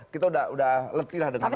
kita udah letih lah dengan itu